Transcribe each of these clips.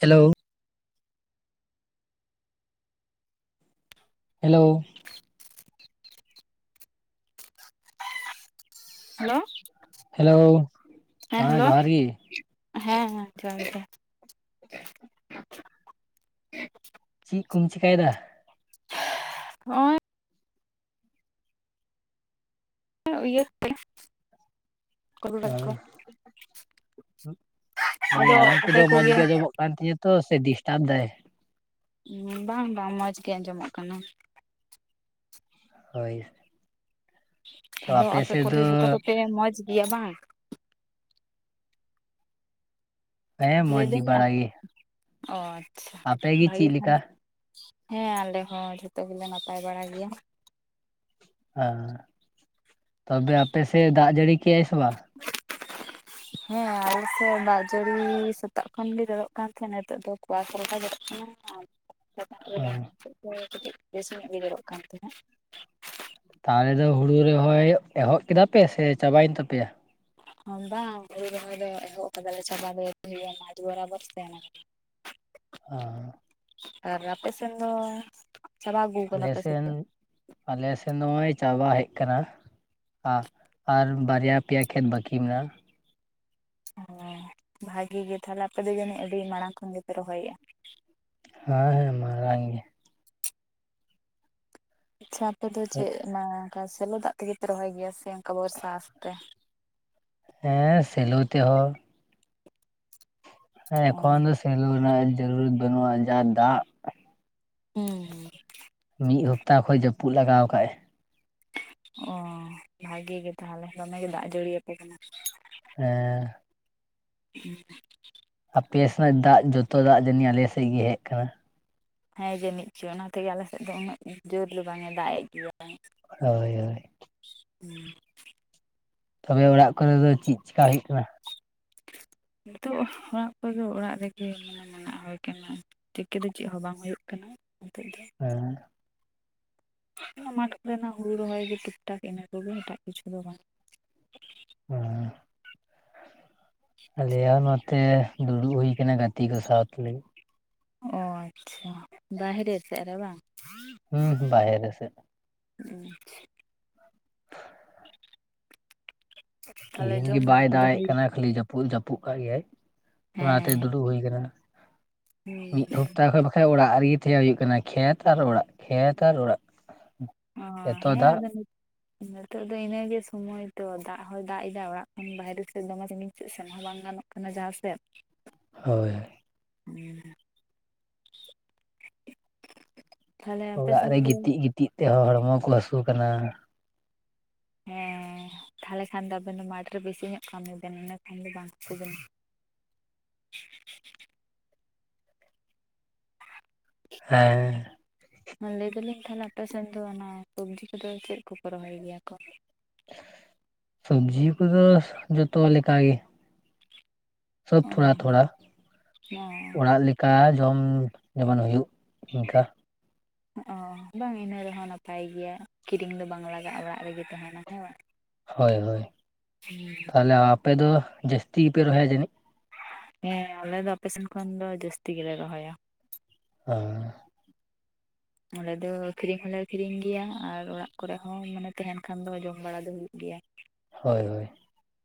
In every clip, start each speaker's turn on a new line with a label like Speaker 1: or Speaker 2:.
Speaker 1: Hello hello
Speaker 2: [unintelligible] hello
Speaker 1: hello ᱦᱮᱸ ᱡᱚᱦᱟᱨ ᱜᱮ᱾
Speaker 2: ᱦᱮᱸᱦᱮᱸ ᱡᱚᱦᱟᱨ ᱜᱮ ᱾
Speaker 1: ᱪᱮᱫ ᱠᱚᱢ ᱪᱤᱠᱟᱹᱭᱮᱫᱟ?
Speaker 2: [unintelligible] ᱤᱭᱟᱹ [unintelligible]
Speaker 1: ᱢᱮᱱ ᱫᱤᱧ
Speaker 2: ᱟᱫᱚ
Speaker 1: ᱟᱲᱟᱝ
Speaker 2: ᱟᱯᱮ
Speaker 1: ᱠᱚᱫᱚ ᱢᱚᱸᱡᱽ
Speaker 2: ᱠᱚᱜᱮ
Speaker 1: ᱜᱮ ᱟᱸᱡᱚᱢᱚᱜ ᱠᱟᱱ ᱛᱤᱧᱟᱹ ᱛᱚ ᱥᱮ ᱰᱤᱥᱴᱟᱵᱽ ᱫᱟᱭ?
Speaker 2: ᱵᱟᱝ ᱵᱟᱝ ᱢᱚᱸᱡᱽ ᱜᱮ ᱟᱸᱡᱚᱢᱚᱜ ᱠᱟᱱᱟ᱾
Speaker 1: ᱦᱳᱭ ᱛᱚ
Speaker 2: ᱟᱫᱚ ᱟᱯᱮ
Speaker 1: ᱥᱮᱫ
Speaker 2: ᱠᱚᱫᱚ
Speaker 1: ᱫᱚ
Speaker 2: ᱡᱷᱚᱛᱚ ᱠᱚᱯᱮ ᱢᱚᱡᱽ ᱜᱮᱭᱟ ᱵᱟᱝ᱾
Speaker 1: ᱦᱮᱸ ᱢᱚᱡᱽ
Speaker 2: ᱞᱟᱹᱭᱫᱟᱹᱧ
Speaker 1: ᱵᱟᱲᱟ ᱜᱮ᱾
Speaker 2: ᱚ ᱟᱪᱪᱷᱟ
Speaker 1: ᱟᱯᱮ ᱜᱮ
Speaker 2: ᱵᱷᱟᱜᱤ
Speaker 1: ᱪᱮᱫ
Speaker 2: ᱠᱷᱟᱱ
Speaker 1: ᱞᱮᱠᱟ?
Speaker 2: ᱦᱮᱸ ᱟᱞᱮ ᱦᱚᱸ ᱡᱷᱚᱛᱚ ᱜᱮᱞᱮ ᱱᱟᱯᱟᱭ ᱵᱟᱲᱟ ᱜᱮᱭᱟ᱾
Speaker 1: ᱦᱮᱸ ᱛᱚᱵᱮ ᱟᱯᱮᱥᱮᱫ ᱫᱟᱜ ᱡᱟᱹᱲᱤ ᱠᱮᱜᱟᱭ ᱥᱮ ᱵᱟᱝ? [inaudible]
Speaker 2: ᱦᱮᱸ ᱟᱞᱮ ᱥᱮ ᱫᱟᱜ ᱡᱟᱹᱲᱤᱼ ᱥᱮᱛᱟᱜ ᱠᱷᱚᱱᱜᱮ ᱡᱚᱨᱚᱜ ᱠᱟᱱ ᱛᱟᱦᱮᱸᱱᱟ ᱱᱤᱛᱚᱜ ᱫᱚ ᱠᱚᱣᱟᱥᱟ ᱞᱮᱠᱟ ᱡᱚᱨᱚᱜ ᱠᱟᱱᱟ ᱟᱨ [unintelligible]
Speaker 1: ᱦᱮᱸ
Speaker 2: ᱠᱟᱹᱴᱤᱡ ᱵᱮᱥ ᱧᱚᱜ ᱡᱚᱨᱚᱜ ᱠᱟᱱ ᱛᱷᱮᱱᱟ ᱾
Speaker 1: ᱛᱟᱦᱚᱞᱮ ᱫᱚ ᱦᱩᱲᱩ ᱨᱚᱦᱚᱭ ᱮᱦᱚᱵ ᱠᱮᱫᱟ ᱯᱮ ᱥᱮ ᱪᱟᱵᱟᱭᱮᱱ ᱛᱟᱯᱮᱭᱟ ᱾
Speaker 2: ᱦᱚᱸᱵᱟᱢ ᱦᱩᱲᱩ ᱨᱚᱦᱚᱭ ᱫᱚ ᱮᱦᱚᱵ ᱠᱟᱫᱟᱞᱮ ᱪᱷᱟᱵᱟ ᱫᱟ ᱟᱣᱨᱤ ᱦᱩᱭᱩᱟ ᱢᱟᱴᱷ ᱵᱚᱨᱟᱵᱚᱨ ᱛᱟᱦᱮᱱᱟ ᱾
Speaker 1: [inaudible]
Speaker 2: ᱟᱨ ᱟᱯᱮ ᱥᱮᱱ ᱫᱚ ᱪᱟᱵᱟ ᱟᱹᱜᱩ ᱠᱟᱫᱟ
Speaker 1: ᱟᱞᱮ
Speaker 2: ᱯᱮ ᱥᱮ
Speaker 1: ᱥᱮᱱ
Speaker 2: ᱪᱮᱫ?
Speaker 1: ᱟᱞᱮ ᱥᱮᱱ ᱱᱚᱭ ᱪᱟᱵᱟ ᱦᱮᱡ ᱠᱟᱱᱟ ᱾ ᱟ ᱟᱨ ᱵᱟᱨᱭᱟ ᱯᱮᱭᱟ ᱠᱷᱮᱛ ᱵᱟᱹᱠᱤ ᱢᱮᱱᱟᱜᱼᱟ ᱾
Speaker 2: ᱦᱮᱸ ᱵᱷᱟᱜᱮ ᱜᱮ ᱛᱷᱟᱞᱮ ᱟᱯᱮ ᱫᱚ ᱡᱟᱹᱱᱤᱡ ᱟᱹᱰᱤ ᱢᱟᱲᱟᱝ ᱠᱷᱚᱱ ᱜᱮᱯᱮ ᱨᱚᱦᱚᱭᱮᱜᱼᱟ ᱾
Speaker 1: ᱦᱮᱸ ᱦᱮᱸ ᱢᱟᱨᱟᱝ ᱜᱮ ᱾
Speaker 2: ᱟᱪᱪᱷᱟ ᱟᱯᱮ ᱫᱚ ᱪᱮᱫ ᱚᱱᱟ ᱚᱱᱠᱟ ᱥᱮᱞᱚ ᱫᱟᱜ ᱛᱮᱜᱮ ᱯᱮ ᱨᱚᱦᱚᱭ ᱜᱮᱭᱟ ᱥᱮ ᱚᱱᱠᱟ ᱵᱚᱨᱥᱟ ᱟᱛᱮ?
Speaker 1: ᱦᱮᱸ ᱥᱮᱞᱳ ᱛᱮᱦᱚᱸ ᱾ ᱦᱮᱸ ᱮᱠᱷᱚᱱ ᱫᱚ
Speaker 2: ᱦᱩᱸ᱾
Speaker 1: ᱥᱮᱞᱳ ᱨᱮᱱᱟᱜ [unintelligible] ᱵᱟᱹᱱᱩᱜᱼᱟ ᱡᱟ ᱫᱟᱜ
Speaker 2: ᱦᱩᱸ ᱦᱩᱸ
Speaker 1: ᱢᱤᱫ ᱦᱟᱯᱛᱟ ᱠᱷᱚᱡ ᱡᱟᱹᱯᱩᱫ ᱞᱟᱜᱟᱣ ᱠᱟᱜᱼᱟᱭ ᱾
Speaker 2: ᱚ ᱵᱷᱟᱜᱮ ᱜᱮ ᱛᱟᱦᱮᱞᱮ ᱫᱚᱢᱮ ᱜᱮ ᱫᱟᱜ ᱡᱟᱹᱲᱤ ᱟᱯᱮ ᱠᱟᱱᱟ ᱾
Speaker 1: ᱦᱮᱸ
Speaker 2: [inaudible]
Speaker 1: ᱟᱯᱮ ᱥᱮᱱᱟᱜ ᱫᱟᱜ ᱡᱚᱛᱚ ᱫᱟᱜ ᱡᱟᱹᱱᱤᱡ ᱟᱞᱮ ᱥᱮᱫ ᱜᱮ ᱦᱮᱡ ᱠᱟᱱᱟ ᱾
Speaker 2: ᱦᱮᱸ ᱡᱟᱹᱱᱤᱡ ᱪᱚ ᱚᱱᱟ ᱛᱮᱜᱮ ᱟᱞᱮ ᱥᱮᱫ ᱫᱚ ᱩᱱᱟᱹᱜ ᱡᱳᱨ ᱫᱚ ᱵᱟᱝᱼᱮ ᱫᱟᱜ ᱮᱜ ᱜᱮᱭᱟ ᱾
Speaker 1: ᱦᱳᱭ ᱦᱳᱭ
Speaker 2: ᱦᱩᱸ
Speaker 1: ᱛᱚᱵᱮ ᱚᱲᱟᱜ ᱠᱚᱨ ᱫᱚ ᱪᱤᱜ ᱪᱤᱠᱟ ᱦᱩᱭᱩᱜ ᱠᱟᱱᱟ ᱾
Speaker 2: ᱱᱤᱛᱚᱜ ᱚᱲᱟᱜ ᱠᱚᱫᱚ ᱚᱲᱟᱜ ᱨᱮᱜᱮ ᱢᱟᱱᱮ ᱢᱟ ᱦᱩᱭ ᱠᱟᱱᱟ ᱾ ᱪᱤᱠᱟᱹ ᱫᱚ ᱪᱮᱜ ᱦᱚᱸ ᱵᱟᱝ ᱦᱩᱭᱩᱜ ᱠᱟᱱᱟ ᱱᱤᱛᱚᱜ ᱫᱚ ᱾
Speaker 1: ᱮᱸ
Speaker 2: ᱢᱟᱴᱷ ᱠᱚᱨᱮᱱᱟᱜ ᱦᱩᱲᱩ ᱨᱚᱦᱚᱭ ᱜᱮ ᱴᱩᱠᱼᱴᱟᱠ ᱤᱱᱟᱹ ᱠᱚᱜᱮ ᱮᱴᱟᱜ ᱠᱤᱪᱷᱩ ᱫᱚ ᱵᱟᱝ ᱾
Speaker 1: [inaudible] ᱟᱞᱮᱭᱟᱜ ᱱᱚᱛᱮ ᱫᱩᱲᱩᱜ ᱦᱩᱭ ᱠᱟᱱᱟ ᱜᱟᱛᱮ ᱠᱚ ᱥᱟᱶ ᱞᱟᱹᱜᱤᱫ
Speaker 2: ᱚ ᱟᱪᱪᱷᱟ ᱵᱟᱦᱨᱮ ᱥᱮᱫ ᱨᱮ ᱵᱟᱝ ᱾
Speaker 1: ᱦᱩᱸ ᱵᱟᱦᱮᱨᱮ ᱥᱮ ᱾
Speaker 2: [unintelligible] ᱛᱟᱦᱚᱞᱮ
Speaker 1: ᱛᱤᱦᱤᱧ ᱜᱤ
Speaker 2: ᱡᱚᱢ ᱵᱟᱲᱟ
Speaker 1: ᱵᱟᱭ
Speaker 2: ᱠᱚᱫᱚ
Speaker 1: ᱫᱟᱜᱮᱜ
Speaker 2: ᱦᱩᱭ
Speaker 1: ᱠᱟᱱᱟ ᱠᱷᱟᱹᱞᱤ ᱡᱟᱯ ᱾ ᱯᱩᱞ ᱡᱟᱹᱯᱩᱜ ᱠᱟᱜ ᱜᱮᱭᱟᱭ ᱚᱱᱟᱛᱮ
Speaker 2: ᱦᱮᱸ
Speaker 1: ᱫᱩᱲᱩᱵ ᱦᱩᱭ ᱟᱠᱟᱱᱟ
Speaker 2: ᱦᱩᱸ
Speaker 1: ᱢᱤᱫ ᱦᱚᱯᱛᱟ᱾ [unintelligible] ᱚᱲᱟᱜ ᱨᱮᱜᱮ ᱛᱟᱦᱮᱸ ᱦᱩᱭᱩᱜ ᱠᱟᱱᱟ ᱠᱷᱮᱛ ᱟᱨ ᱚᱲᱟᱜ ᱠᱷᱮᱛ ᱟᱨ ᱚᱲᱟᱜ ᱾
Speaker 2: ᱚ ᱦᱮᱸ ᱟᱫᱚ ᱱᱤᱛᱚᱜ ᱫᱚ ᱤᱱᱟᱹᱜᱮ ᱥᱚᱢᱚᱭ ᱛᱚ ᱫᱟᱜ ᱦᱚᱭ ᱫᱟᱜ ᱮᱫᱟ ᱚᱲᱟᱜ ᱠᱷᱚᱱ ᱵᱟᱭᱨᱮ ᱥᱮᱫ ᱫᱚᱢᱮ ᱨᱤᱢᱤᱞ ᱛᱮ ᱥᱮᱱ ᱦᱚᱸ ᱵᱟᱝ ᱜᱟᱱᱚᱜ ᱾ ᱠᱟᱱᱟ ᱡᱟᱦᱟᱸ ᱥᱮᱜ
Speaker 1: ᱦᱳᱭᱼᱼ
Speaker 2: [inaudible] ᱟᱯᱮ
Speaker 1: ᱚᱲᱟᱜ
Speaker 2: ᱥᱮᱱ
Speaker 1: ᱨᱮ
Speaker 2: ᱫᱚ
Speaker 1: ᱜᱤᱛᱤᱡ ᱜᱤᱛᱤᱡ ᱛᱮ ᱦᱚᱲᱢᱚ ᱠᱚ ᱦᱟᱹᱥᱩ ᱠᱟᱱᱟ ᱾
Speaker 2: ᱦᱮᱸ ᱛᱷᱟᱞᱮ ᱠᱷᱟᱱ ᱫᱚ ᱟᱵᱮᱱ ᱫᱚ ᱢᱟᱴᱷ ᱨᱮ ᱵᱮᱥᱤ ᱧᱚᱜ ᱠᱟᱹᱢᱤ ᱵᱮᱱ ᱤᱱᱟᱹ ᱠᱷᱟᱱ ᱫᱚ ᱵᱟᱝ ᱦᱟᱥᱩ ᱵᱮᱱᱟ ᱾ [inaudible]
Speaker 1: ᱦᱮᱸ
Speaker 2: ᱞᱟᱹᱭ ᱫᱟᱞᱤᱧ ᱛᱷᱟᱞᱮ ᱟᱯᱮ ᱥᱮᱱ ᱫᱚ ᱚᱱᱟ ᱥᱚᱵᱽᱡᱤ ᱠᱚᱫᱚ ᱪᱮᱫ ᱠᱚᱠᱚ ᱨᱚᱦᱚᱭ ᱜᱮᱭᱟ ᱠᱚ ᱾
Speaker 1: ᱥᱚᱵᱽᱡᱤ ᱠᱚᱫᱚ ᱡᱚᱛᱚ ᱞᱮᱠᱟ ᱜᱮ ᱾ ᱥᱚᱵ
Speaker 2: ᱚ
Speaker 1: ᱛᱷᱚᱲᱟ ᱛᱷᱚᱲᱟ ᱚᱲᱟᱜ - ᱠᱟ ᱡᱚᱢ ᱡᱮᱢᱚᱱ ᱦᱩᱭᱩᱜ ᱤᱱᱠᱟ ᱾
Speaker 2: ᱚ ᱵᱟᱝ ᱤᱱᱟᱹ ᱨᱮᱦᱚᱸ ᱱᱟᱯᱟᱭ ᱜᱮᱭᱟ ᱠᱤᱨᱤᱧ ᱫᱚ ᱵᱟᱝ ᱞᱟᱜᱟᱜᱼᱟ ᱚᱲᱟᱜ ᱨᱮᱜᱮ ᱛᱟᱦᱮᱱᱟ ᱦᱮᱸ ᱾
Speaker 1: ᱦᱚᱭ ᱦᱚᱭ ᱛᱟᱞᱮ ᱟᱯᱮ ᱫᱚ ᱡᱟᱹᱥᱛᱤ ᱜᱮᱯᱮ ᱨᱚᱦᱚᱭᱟ ᱡᱟᱹᱱᱤᱡ?
Speaker 2: ᱦᱮᱸ ᱟᱞᱮ ᱫᱚ ᱟᱯᱮ ᱥᱮᱱ ᱠᱷᱚᱱ ᱫᱚ ᱡᱟᱹᱥᱛᱤ ᱜᱮᱞᱮ ᱨᱚᱦᱚᱭᱟ ᱾
Speaker 1: [unintelligible]
Speaker 2: ᱚᱸᱰᱮ ᱫᱚ ᱟᱹᱠᱷᱨᱤᱧ ᱦᱚᱞᱮ ᱟᱹᱠᱷᱨᱤᱧ ᱜᱮᱭᱟ ᱟᱨ ᱚᱲᱟᱜ ᱠᱚᱨᱮ ᱦᱚᱸ ᱢᱟᱱᱮ ᱛᱟᱦᱮᱱ ᱠᱷᱟᱱ ᱫᱚ ᱡᱚᱢ ᱵᱟᱲᱟ ᱫᱚ ᱦᱩᱭᱩᱜ ᱜᱮᱭᱟ᱾
Speaker 1: ᱦᱚᱭ ᱦᱚᱭ,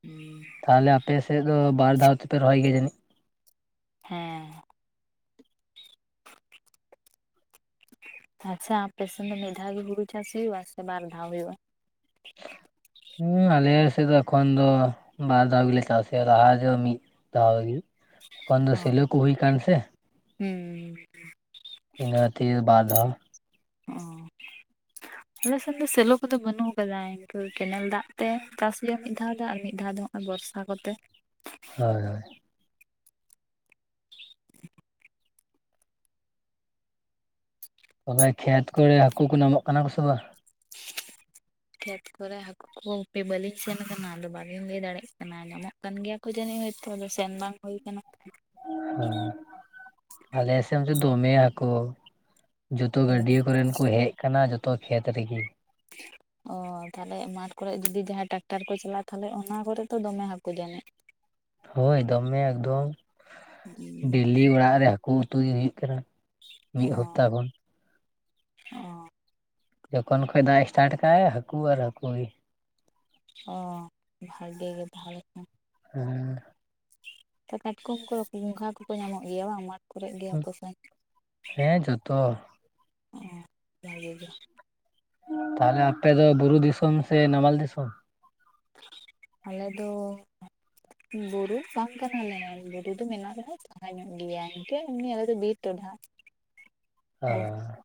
Speaker 2: ᱦᱩᱸ
Speaker 1: ᱛᱟᱦᱚᱞᱮ ᱟᱯᱮ ᱥᱮᱫ ᱫᱚ ᱵᱟᱨ ᱫᱷᱟᱣ ᱛᱮᱯᱮ ᱨᱚᱦᱚᱭ ᱜᱮᱭᱟ ᱡᱟᱹᱱᱤᱡ?
Speaker 2: ᱦᱮᱸ᱾
Speaker 1: [inaudible]
Speaker 2: ᱟᱪᱪᱷᱟ ᱟᱯᱮ ᱥᱮᱱ ᱫᱚ ᱢᱤᱫ ᱫᱷᱟᱣ ᱜᱮ ᱦᱩᱲᱩ ᱪᱟᱥ ᱦᱩᱭᱩᱜᱼᱟ ᱥᱮ ᱵᱟᱨ ᱫᱷᱟᱣ ᱦᱩᱭᱩᱜᱼᱟ?
Speaker 1: [unintelligible] ᱦᱮᱸ ᱟᱞᱮ ᱥᱮᱫ ᱫᱚ ᱮᱠᱷᱚᱱ ᱫᱚ ᱵᱟᱨ ᱫᱷᱟᱣ ᱜᱮᱞᱮ ᱪᱟᱥᱮ ᱟ ᱞᱟᱦᱟ ᱡᱚ ᱢᱤᱫ ᱫᱷᱟᱣ ᱜᱮ᱾ ᱮᱠᱷᱚᱱ ᱫᱚ
Speaker 2: ᱚ
Speaker 1: ᱥᱮᱞᱳ ᱠᱚ ᱦᱩᱭ ᱟᱠᱱ ᱥᱮ᱾
Speaker 2: ᱦᱩᱸ᱾
Speaker 1: ᱤᱱᱟᱹ [unintelligible] ᱵᱟᱨ ᱫᱷᱟᱣ
Speaker 2: ᱦᱚᱸ [unintelligible]
Speaker 1: [inaudible]
Speaker 2: ᱟᱞᱮᱥ ᱮᱫ ᱫᱚ ᱥᱮᱞᱚ ᱠᱚᱫᱚ ᱵᱟᱹᱱᱩᱜ ᱟᱠᱟᱫᱟ᱾ ᱤᱱᱠᱟᱹ ᱠᱮᱱᱮᱞ ᱫᱟᱜ ᱛᱮ ᱪᱟᱥ ᱦᱩᱭᱩᱜ-ᱟ ᱢᱤᱫ ᱫᱷᱟᱣ ᱫᱚ ᱟᱨ ᱢᱤᱫ ᱫᱷᱟᱣ ᱫᱚ ᱟᱨ ᱵᱚᱨᱥᱟ ᱠᱚᱛᱮ᱾
Speaker 1: ᱦᱚᱭ ᱦᱚᱭ᱾ ᱛᱚᱵᱮ ᱠᱷᱮᱛ ᱠᱚᱨᱮ ᱦᱟᱹᱠᱩ ᱠᱚ ᱧᱟᱢᱚᱜ ᱠᱟᱱᱟ ᱠᱚᱥᱮ ᱵᱟᱝ?
Speaker 2: ᱠᱷᱮᱛ ᱠᱚᱨᱮ ᱦᱟᱹᱠᱩ ᱠᱚ ᱦᱟᱯᱮ ᱵᱟᱹᱞᱤᱧ ᱥᱮᱱ ᱟᱠᱟᱱᱟ᱾ ᱟᱫᱚ ᱵᱟᱞᱤᱧ ᱞᱟᱹᱭ ᱫᱟᱲᱮᱜ ᱠᱟᱱᱟ ᱧᱢᱚᱜᱼᱼ ᱠᱟᱱ ᱜᱮᱭᱟ ᱠᱚ ᱡᱟᱹᱱᱤᱡ ᱦᱚᱚᱭ ᱛᱚ ᱟᱫᱚ ᱥᱮᱱ ᱵᱟᱝ ᱦᱩᱭ ᱟᱠᱟᱱᱟ᱾
Speaker 1: [unintelligible] ᱟᱞᱮ ᱥᱮᱱ ᱫᱚ ᱫᱚᱢᱮ ᱦᱟᱠᱩ᱾ ᱡᱚᱛᱚ
Speaker 2: ᱚ
Speaker 1: ᱜᱟᱹᱰᱭᱟᱹ ᱠᱚᱨᱮᱱ ᱠᱚ ᱦᱮᱡ ᱟᱠᱟᱱᱟ ᱡᱚᱛᱚ ᱠᱷᱮᱛ ᱨᱮᱜᱮ᱾
Speaker 2: ᱚ ᱛᱟᱦᱚᱞᱮ ᱢᱟᱴᱷ ᱠᱚᱨᱮ ᱡᱩᱫᱤ ᱡᱟᱦᱟᱸᱭ ᱴᱟᱠᱴᱟᱨ ᱠᱚ ᱪᱟᱞᱟᱜᱼᱟ ᱛᱟᱦᱚᱞᱮ ᱚᱱᱟ ᱠᱚᱨᱮ ᱛᱚ ᱫᱚᱢᱮ ᱦᱟᱠᱩ ᱡᱟᱹᱢᱤᱜ᱾
Speaker 1: [inaudible] ᱦᱚᱭ ᱫᱚᱢᱮ ᱮᱠᱫᱚᱢ, ᱰᱮᱞᱤ ᱚᱲᱟᱜ ᱨᱮ ᱦᱟᱹᱠᱩ ᱩᱛᱩ ᱜᱮ ᱦᱩᱭᱩᱜ ᱠᱟᱱᱟ᱾ ᱢᱤᱫ ᱦᱚᱯᱛᱟ ᱠᱷᱚᱱ᱾
Speaker 2: ᱚᱸ᱾
Speaker 1: ᱡᱚᱠᱷᱚᱱ ᱠᱷᱚᱡ ᱫᱟᱜ ᱮᱥᱴᱟᱴ ᱠᱟᱜ-ᱟᱭ ᱦᱟᱹᱠᱩ ᱟᱨ ᱦᱟᱹᱠᱩ ᱜᱮ᱾
Speaker 2: ᱦᱚᱸ, ᱵᱷᱟᱜᱤ ᱜᱮ ᱛᱟᱦᱚᱞᱮ ᱠᱷᱟᱱ᱾
Speaker 1: ᱦᱮᱸ᱾
Speaker 2: ᱠᱟᱴᱠᱚᱢ ᱠᱚ ᱜᱚᱸᱜᱷᱟ ᱠᱚᱠᱚ ᱧᱟᱢᱚᱜ ᱜᱮᱭᱟ ᱵᱟᱝ? ᱢᱟᱴᱼᱼ ᱴ ᱠᱚᱨᱮᱜ ᱜᱮᱭᱟ
Speaker 1: ᱦᱮᱸ ᱡᱚᱛᱚ
Speaker 2: [unintelligible] ᱵᱷᱟᱜᱤ ᱜᱮ᱾
Speaker 1: ᱛᱟᱦᱚᱞᱮ ᱟᱯᱮ ᱫᱚ ᱵᱩᱨᱩ ᱫᱤᱥᱚᱢ ᱥᱮ ᱱᱟᱢᱟᱞ ᱫᱤᱥᱚᱢ?
Speaker 2: ᱟᱞᱮ ᱫᱚ ᱵᱩᱨᱩ ᱵᱟᱝ ᱠᱟᱱᱟᱞᱮ ᱟᱞᱮ ᱵᱩᱨᱩ ᱫᱚ ᱢᱮᱱᱟᱜ ᱨᱮᱦᱚᱸ ᱾ ᱥᱟᱦᱟ ᱧᱚᱜ ᱜᱮᱭᱟ, ᱤᱱᱠᱟᱹ ᱮᱢᱱᱤ ᱟᱞᱮ ᱫᱚ ᱵᱤᱨ [unintelligible]
Speaker 1: ᱦᱮᱸ᱾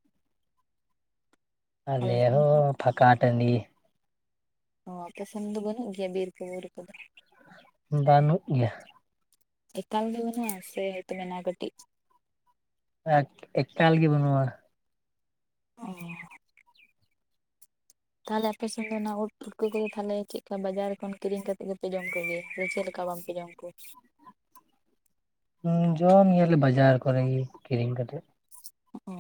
Speaker 1: ᱟᱞᱮ ᱦᱚᱸ ᱯᱷᱟᱠᱟ ᱴᱟᱺᱰᱤ᱾
Speaker 2: ᱚ ᱟᱯᱮ ᱥᱮᱱ ᱫᱚ ᱵᱟᱹᱱᱩᱜ ᱜᱮᱭᱟ ᱵᱤᱨ ᱠᱚ ᱵᱩᱨᱩ ᱠᱚᱫᱚ?
Speaker 1: ᱵᱟᱹᱱᱩᱜ ᱜᱮᱭᱟ᱾
Speaker 2: ᱮᱠᱟᱞ ᱜᱮ ᱵᱟᱹᱱᱩᱜᱼᱟ ᱥᱮ? [inaudible] ᱠᱟᱹᱴᱤᱡ᱾
Speaker 1: ᱮᱠ ᱮᱠᱟᱞ ᱜᱤ ᱵᱚᱱᱩᱣᱟ᱾
Speaker 2: [unintelligible] ᱛᱟᱦᱚᱞᱮ ᱟᱯᱮᱥᱮᱱ ᱫᱚ ᱚᱱᱟ ᱩᱫ ᱯᱷᱩᱴᱠᱟᱹ ᱠᱚᱫᱚ ᱛᱟᱦᱚᱞᱮ ᱪᱮᱫ ᱞᱮᱠᱟ ᱵᱟᱡᱟᱨ ᱠᱷᱚᱱ ᱠᱤᱨᱤᱧ ᱠᱟᱛᱮ ᱜᱮᱯᱮ ᱡᱚᱢ ᱠᱚᱜᱮ ᱥᱮ ᱪᱮᱫ ᱞᱮᱠᱟ? ᱜᱚᱝᱼᱼ [unintelligible]
Speaker 1: ᱸ ᱡᱚᱢ ᱜᱮᱭᱟᱞᱮ ᱵᱟᱡᱟᱨ ᱠᱚᱨᱮᱜᱮ ᱠᱤᱨᱤᱧ ᱠᱟᱛᱮᱜ᱾
Speaker 2: ᱚᱻ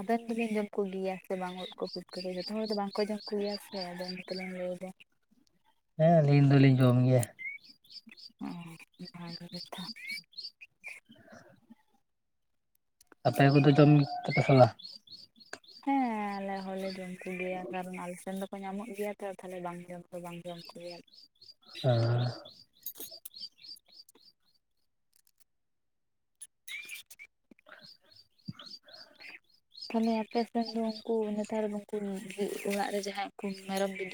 Speaker 2: ᱟᱵᱮᱱ ᱫᱚᱵᱮᱱ ᱡᱚᱢ ᱠᱚᱜᱮᱭᱟ ᱥᱮ ᱵᱟᱝ ᱩᱫ ᱠᱚ ᱯᱩᱛᱠᱟᱹ ᱠᱚ᱾ ᱡᱚᱛᱚ ᱦᱚᱲ ᱫᱚ ᱵᱟᱝᱠᱚ ᱡᱚᱢ ᱠᱚᱜᱮᱭᱟ ᱥᱮ ᱟᱫᱮᱱ᱾ [unintelligible]
Speaker 1: ᱦᱮᱸ ᱟᱹᱞᱤᱧ ᱫᱚᱞᱤᱧ ᱡᱚᱢ ᱜᱮᱭᱟ
Speaker 2: ᱚ [unintelligible] ᱛᱚ
Speaker 1: [inaudible] ᱟᱯᱮ ᱠᱚᱫᱚ ᱡᱚᱢ ᱠᱮᱛᱮ ᱥᱟᱞᱟ
Speaker 2: ᱦᱮᱸ ᱟᱞᱮ ᱦᱚᱸᱞᱮ ᱡᱚᱢ ᱠᱚ ᱜᱮᱭᱟ ᱠᱟᱨᱚᱱ ᱟᱞ ᱥᱮᱱ ᱫᱚ ᱠᱚ ᱧᱟᱢᱚᱜ ᱜᱮᱭᱟ ᱛᱚ ᱛᱟᱦᱮ ᱵᱟᱝ ᱡᱚᱢ ᱛᱚ ᱵᱟᱝ ᱡᱚᱢ ᱠᱚᱜᱮᱭᱟ
Speaker 1: ᱟ [inaudible]
Speaker 2: ᱛᱟᱦᱞᱮ ᱟᱯᱮ ᱥᱮᱱ ᱫᱚ ᱩᱱᱠᱩ ᱱᱮᱛᱟᱨ ᱩᱱᱠᱩ [unintelligible] ᱚᱲᱟᱜ ᱨᱮ ᱡᱟᱦᱟᱸ ᱠᱚ ᱢᱮᱨᱚᱢ ᱵᱤᱱᱫ